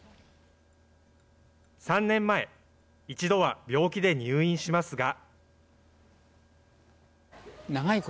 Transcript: ３年前、一度は病気で入院しますが。